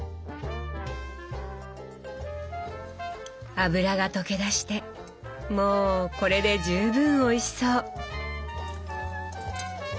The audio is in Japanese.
脂が溶け出してもうこれで十分おいしそう！